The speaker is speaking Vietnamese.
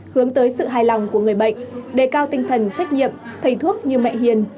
hướng tới sự hài lòng của người bệnh đề cao tinh thần trách nhiệm thầy thuốc như mẹ hiền